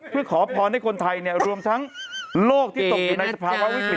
เพื่อขอพรให้คนไทยรวมทั้งโลกที่ตกอยู่ในสภาวะวิกฤต